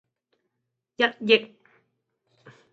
一億